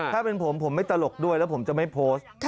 ถ้าเป็นผมผมไม่ตลกด้วยแล้วผมจะไม่โพสต์